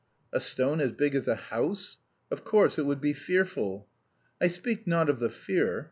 "A stone as big as a house? Of course it would be fearful." "I speak not of the fear.